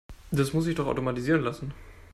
Das muss sich doch automatisieren lassen.